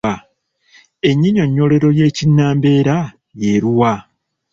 Ennyinyonnyolero y’ekinnambeera y’eluwa?